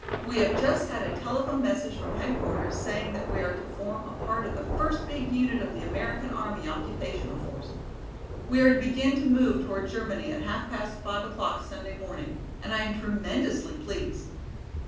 We have just had a telephone message from headquarters saying that we are to form a part of the first big unit of the American army occupational force. We are to begin to move toward Germany at half past five o'clock Sunday morning, and I am tremendously pleased.